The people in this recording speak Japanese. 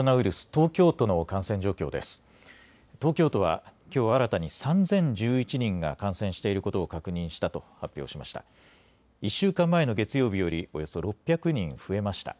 東京都は、きょう新たに３０１１人が感染していることを確認したと発表しました。